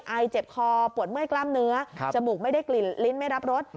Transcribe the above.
ไอเจ็บคอปวดเมื่อยกล้ามเนื้อจมูกไม่ได้กลิ่นลิ้นไม่รับรส